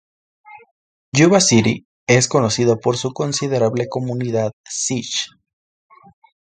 Yuba City es conocido por su considerable comunidad sij.